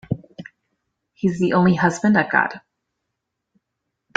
He's the only husband I've got.